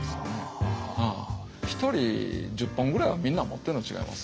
一人１０本ぐらいはみんな持ってんのと違います？